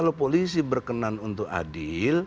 kalau polisi berkenan untuk adil